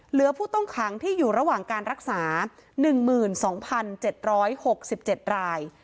เหลือผู้ต้องขังที่อยู่ระหว่างการรักษา๑๒๗๖๗ราย